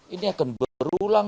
ini akan berulang